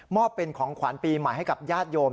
อบเป็นของขวัญปีใหม่ให้กับญาติโยม